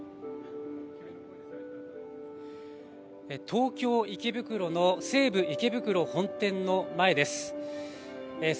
東京池袋の西武池袋本店の前です。